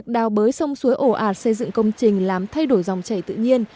đào bới sông suối ổ ạt xây dựng công trình làm thay đổi dòng chảy tự nhiên